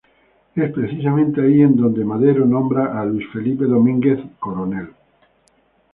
Es precisamente ahí en donde Madero nombra a Luis Felipe Domínguez ""Coronel"".